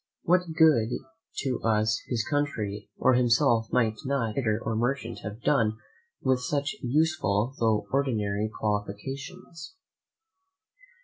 What good to his country or himself might not a trader or merchant have done with such useful tho' ordinary qualifications?